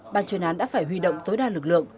bản chuyển án đã phải huy động tối đa lực lượng